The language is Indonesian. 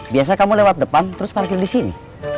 biasa kamu lewat depan terus parkir disini